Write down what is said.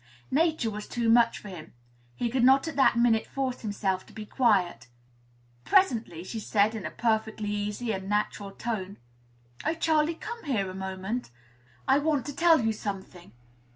Nature was too much for him; he could not at that minute force himself to be quiet. Presently she said, in a perfectly easy and natural tone, "Oh, Charley, come here a minute; I want to tell you something."